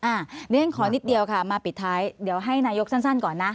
อันนี้ฉันขอนิดเดียวค่ะมาปิดท้ายเดี๋ยวให้นายกสั้นก่อนนะ